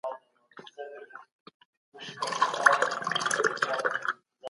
ما تېره میاشت یو نوی پښتو کتاب واخیستی.